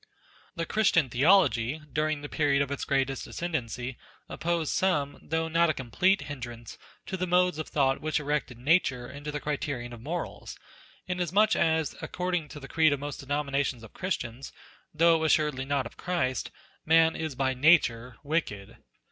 The Christian theology during the period of its greatest ascendancy, opposed some, though not a complete, hindrance to the modes of thought which erected Nature into the criterion of morals, inasmuch as, according to the creed of most denominations of Christians (though assuredly not of Christ) man is by nature wicked.